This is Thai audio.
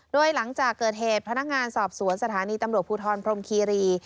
โดยหลังจากเกิดเหตุพนักงานสอบสวนสถานีตำรวจภูทรพรมคีรี